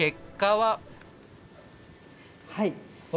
はい。